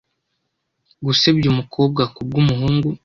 gusebya umukobwa Kubwumuhungu